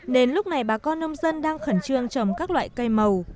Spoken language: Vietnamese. nên lúc này bà con nông dân đang khẩn trương trồng các loại cây màu